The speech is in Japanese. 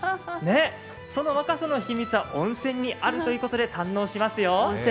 その若さの秘密は温泉にあるということで、堪能しますよ。